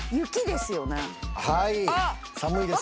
寒いですよ。